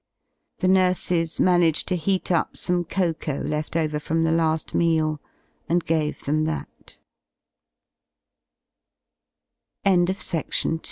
The nurses managed to heat up some cocoa left over from the la^ meal and gave them that 43 \ PART